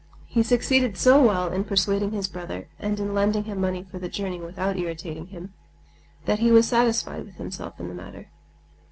He succeeded so well in persuading his brother, and in lending him money for the journey without irritating him, that he was satisfied with himself in that matter.